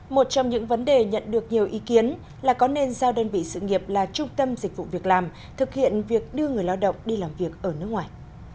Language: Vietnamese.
một trong những vấn đề nhận được nhiều ý kiến là có nên giao đơn vị sự nghiệp là trung tâm dịch vụ việc làm thực hiện việc đưa người lao động đi làm việc ở nước ngoài